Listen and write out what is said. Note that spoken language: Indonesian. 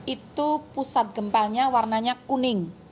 itu pusat gempanya warnanya kuning